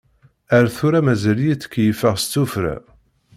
Ar tura mazal-iyi ttkeyyifeɣ s tufra.